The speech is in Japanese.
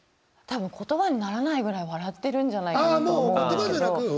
多分言葉にならないぐらい笑ってるんじゃないかなと思うんですけど。